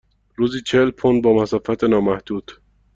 روزی چهل پوند با مسافت نامحدود.